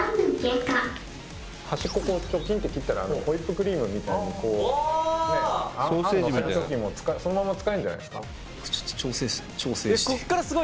「端っこをこうチョキンって切ったらホイップクリームみたいにこうね餡のせる時もそのまま使えるんじゃないですか？」